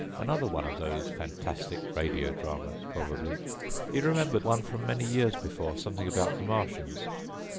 Another one of those fantastic radio dramas, probably. He remembered one from many years before, something about the Martians.